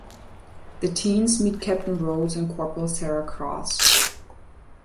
The teens meet Captain Rhodes and Corporal Sarah Cross.